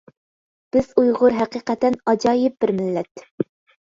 ! بىز ئۇيغۇر ھەقىقەتەن ئاجايىپ بىر مىللەت!